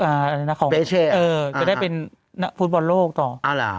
อ่าอะไรนะของเออจะได้เป็นน่ะฟุตบอลโลกต่ออ๋อเหรอ